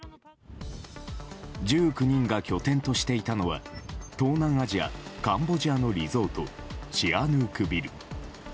１９人が拠点としていたのは東南アジア・カンボジアのリゾート、シアヌークビル。